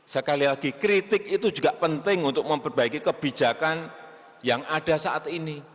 sekali lagi kritik itu juga penting untuk memperbaiki kebijakan yang ada saat ini